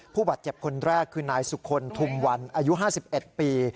ผู้บาดเจ็บคนแรกคือนายสุคลทุมวันอายุ๕๑ปี